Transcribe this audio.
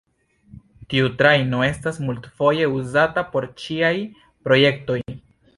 Tiu trajno estas multfoje uzata por ĉiaj projektoj.